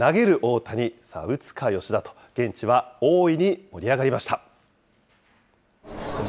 投げる大谷、打つか吉田と、現地は大いに盛り上がりました。